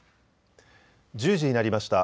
１０時になりました。